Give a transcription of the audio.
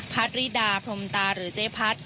พัฒน์ริดาพรมตาหรือเจ๊พัฒน์